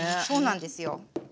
そうなんですよ。